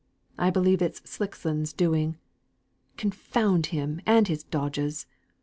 I believe it's Slickson's doing, confound him and his dodges!